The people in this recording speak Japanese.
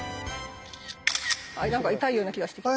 あっ何か痛いような気がしてきた。